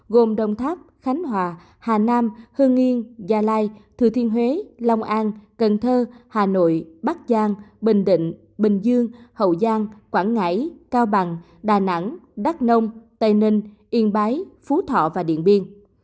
gồm đồng tháp khánh hòa hà nam hương yên gia lai thừa thiên huế long an cần thơ hà nội bắc giang bình định bình dương hậu giang quảng ngãi cao bằng đà nẵng đắk nông tây ninh yên bái phú thọ và điện biên